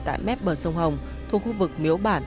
tại mép bờ sông hồng thuộc khu vực miếu bản